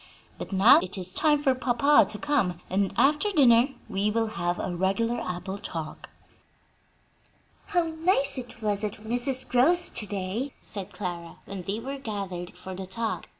But now it is time for papa to come, and after dinner we will have a regular apple talk." "How nice it was at Mrs. Grove's to day!" said Clara, when they were gathered for the talk.